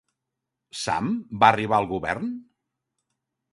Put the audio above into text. Sām va arribar al govern?